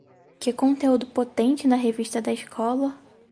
Que conteúdo potente na revista da escola!